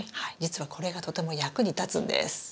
実はこれがとても役に立つんです。